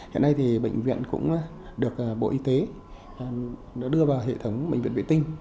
hiện nay thì bệnh viện cũng được bộ y tế đưa vào hệ thống bệnh viện vệ tinh